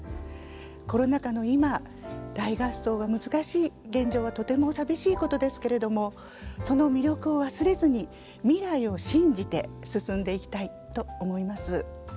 コロナ禍の今大合奏が難しい現状はとても寂しいことですけれどもその魅力を忘れずに未来を信じて進んでいきたいと思います。